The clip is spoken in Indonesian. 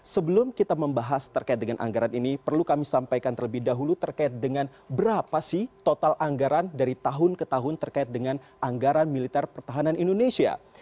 sebelum kita membahas terkait dengan anggaran ini perlu kami sampaikan terlebih dahulu terkait dengan berapa sih total anggaran dari tahun ke tahun terkait dengan anggaran militer pertahanan indonesia